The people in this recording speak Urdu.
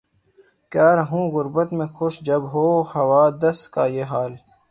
کیا رہوں غربت میں خوش جب ہو حوادث کا یہ حال